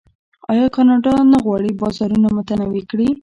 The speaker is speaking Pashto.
آیا کاناډا نه غواړي بازارونه متنوع کړي؟